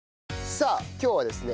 さあ今日はですね